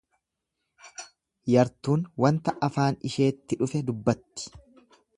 Yartuun wanta afaan isheetti dhufe dubbatti.